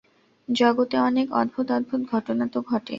জগতে অনেক অদ্ভুত-অদ্ভুত ঘটনা তো ঘটে।